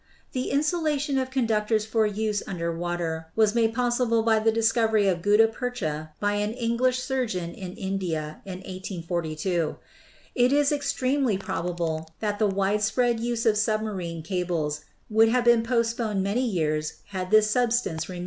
The insulation of conductors for use under water was made possible by the discovery of gutta percha by an Eng lish surgeon in India in 1842. It is extremely probable that the widespread use of submarine cables would have been postponed many years had this substance remained